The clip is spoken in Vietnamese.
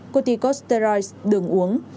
corticosteroids đừng uống